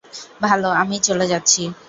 ভালো, আমিই চলে যাচ্ছি।